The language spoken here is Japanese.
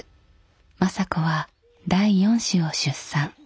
政子は第４子を出産。